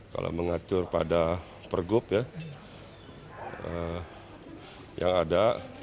kalau mengatur pada pergub ya yang ada